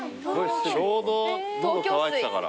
ちょうど喉渇いてたから。